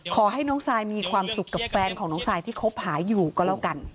ขอให้น้องซายมีความสุขกับแฟนของน้องซายที่คบหาอยู่ก็แล้วกัน